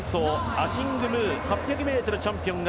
アシング・ムー８００ｍチャンピオンが